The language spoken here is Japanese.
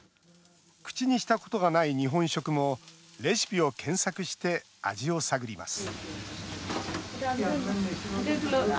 口にしたことがない日本食もレシピを検索して味を探ります